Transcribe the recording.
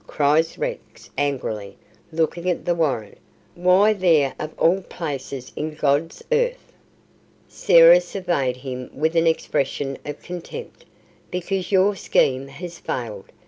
cries Rex angrily, looking at the warrant. "Why there of all places in God's earth?" Sarah surveyed him with an expression of contempt. "Because your scheme has failed.